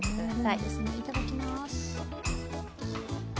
いただきます。